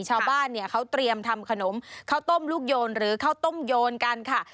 ชาวบ้านเนี่ยเขาเตรียมทำขนมข้าวต้มลูกโยนหรือข้าวต้มโยนกันค่ะ